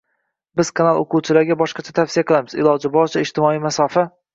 Biz kanal o'quvchilariga boshqacha tavsiya qilamiz: iloji boricha, ijtimoiy masofa